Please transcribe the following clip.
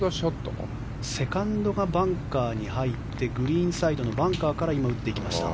セカンドがバンカーに入ってグリーンサイドのバンカーから打っていきました。